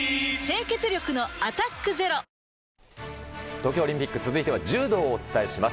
東京オリンピック、続いては柔道をお伝えします。